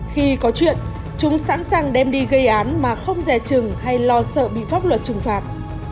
khi có chuyện chúng sẵn sàng đem đi gây án mà không rẻ trừng hay lo sợ bị pháp luật trừng phạt